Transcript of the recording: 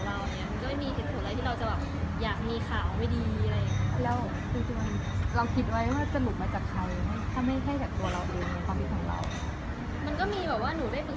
ยังไม่มีเหตุส่วนที่เราจะอยากมีข่าวไม่ดี